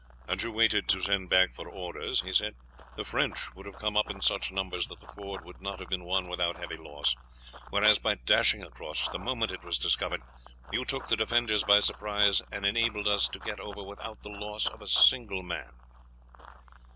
"Had you waited to send back for orders," he said, "the French would have come up in such numbers that the ford would not have been won without heavy loss, whereas by dashing across the moment it was discovered, you took the defenders by surprise and enabled us to get over without the loss of a single man."